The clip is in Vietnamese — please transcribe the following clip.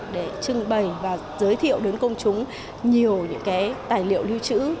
để trưng bày và giới thiệu đến công chúng nhiều tài liệu lưu trữ